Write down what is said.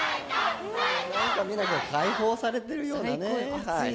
みんな解放されているようなね。